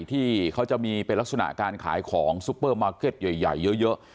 ที่เขาจะมีเป็นลักษณะการขายของซุปเปอร์มาร์เก็ตใหญ่เยอะ